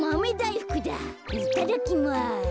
いただきます。